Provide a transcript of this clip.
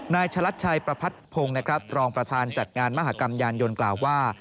ฉลัดชัยประพัดพงศ์นะครับรองประธานจัดงานมหากรรมยานยนต์กล่าวว่า